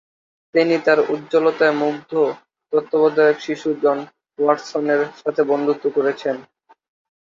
তিনি তাঁর উজ্জ্বলতায় মুগ্ধ তত্ত্বাবধায়ক শিশু জন ওয়াটসনের সাথে বন্ধুত্ব করেছেন।